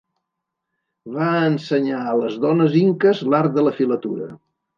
Va ensenyar a les dones inques l'art de la filatura.